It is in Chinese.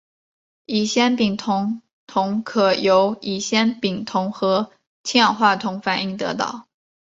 乙酰丙酮铜可由乙酰丙酮和氢氧化铜反应得到。